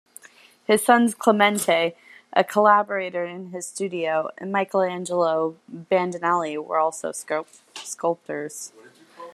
His sons Clemente, a collaborator in his studio, and Michelangelo Bandinelli were also sculptors.